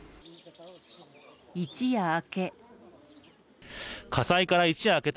一夜明け。